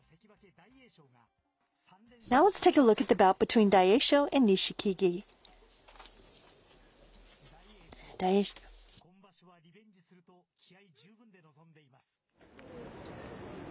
大栄翔、今場所はリベンジすると気合い十分で臨んでいます。